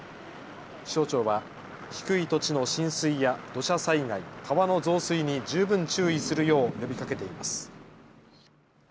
気象庁は低い土地の浸水や土砂災害、川の増水に十分注意するよう呼びかけています。